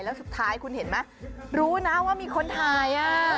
แล้วสุดท้ายคุณเห็นไหมรู้นะว่ามีคนถ่าย